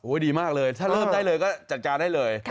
ดีมากเลยถ้าเริ่มได้เลยก็จัดการได้เลย